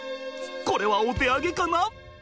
これはお手上げかな！？